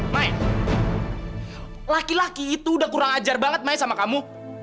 mai laki laki itu udah kurang ajar banget mae sama kamu